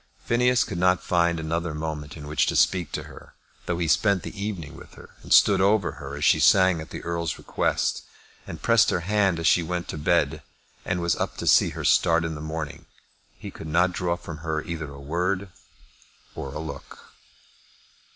Phineas could not find another moment in which to speak to her. Though he spent the evening with her, and stood over her as she sang at the Earl's request, and pressed her hand as she went to bed, and was up to see her start in the morning, he could not draw from her either a word or a look.